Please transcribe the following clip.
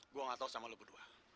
gue nggak tahu sama lo berdua